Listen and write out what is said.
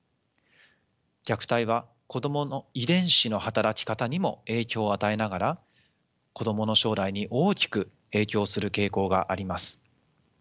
虐待は子どもの遺伝子の働き方にも影響を与えながら子どもの将来に大きく影響する傾向があります。